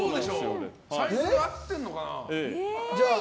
サイズ合ってるのかな？